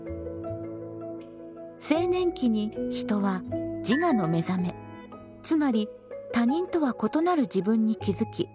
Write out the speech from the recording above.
青年期に人は自我のめざめつまり他人とは異なる自分に気付き